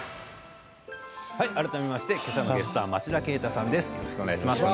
改めましてけさのゲストは町田啓太さんです。